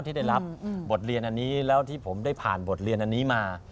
ที่ได้รับบทเรียนอันนี้แล้วที่ผมได้ผ่านบทเรียนอันนี้มา